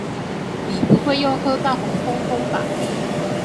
你不會又喝到紅通通吧？